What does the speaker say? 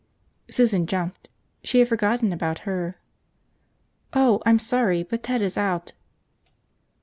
Susan jumped. She had forgotten about her. "Oh, I'm sorry, but Ted is out."